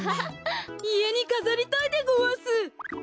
いえにかざりたいでごわす。